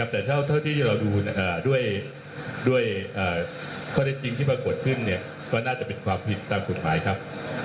แต่เท่าที่เราดูด้วยข้อเท็จจริงที่ปรากฏขึ้นก็น่าจะเป็นความผิดตามกฎหมายครับ